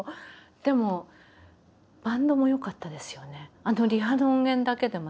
でもバンドも良かったですよね。